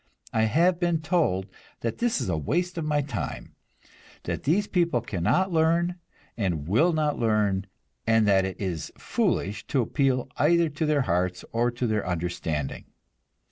I have been told that this is a waste of my time; that these people cannot learn and will not learn, and that it is foolish to appeal either to their hearts or their understanding.